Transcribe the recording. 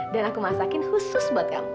dan aku masakin khusus buat kamu